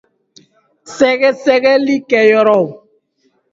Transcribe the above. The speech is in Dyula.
- Sɛgɛsɛgɛli kɛyɔrɔw